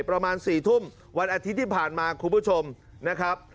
ประมาณ๔ทุ่มวันอาทิตย์ที่ผ่านมาคุณผู้ชมนะครับ